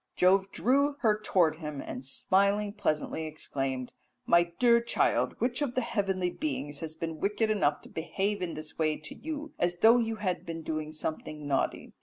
"Jove drew her towards him, and smiling pleasantly exclaimed, 'My dear child, which of the heavenly beings has been wicked enough to behave in this way to you, as though you had been doing something naughty?'